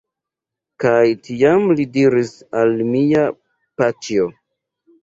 Kaj tiam li diris al mia paĉjo: